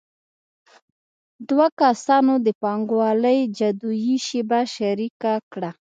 دوه کسانو د پانګوالۍ جادويي شیبه شریکه کړه